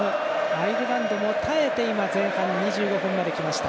アイルランドも耐えて今、前半２５分まできました。